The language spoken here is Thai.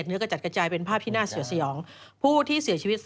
ซึ่งตอน๕โมง๔๕นะฮะทางหน่วยซิวได้มีการยุติการค้นหาที่